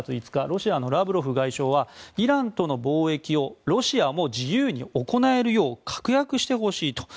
ロシアのラブロフ外相はイランとの貿易をロシアも自由に行えるよう確約してほしいと。